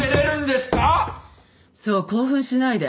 そう興奮しないで。